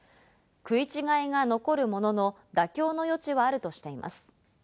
食い違いが残るものの妥協の余地はあるとしています。